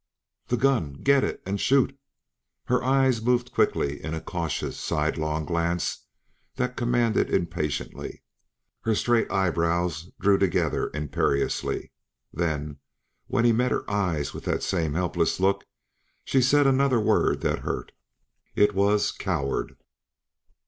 "The gun get it and shoot!" Her eyes moved quickly in a cautious, side long glance that commanded impatiently. Her straight eyebrows drew together imperiously. Then, when he met her eyes with that same helpless look, she said another word that hurt. It was "Coward!"